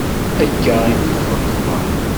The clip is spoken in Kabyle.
Akka i d-iffeɣ lexbar.